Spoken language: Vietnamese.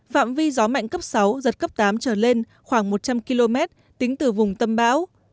phạm vi gió mạnh cấp sáu giật cấp tám trở lên khoảng một trăm linh km tính từ vùng tâm bão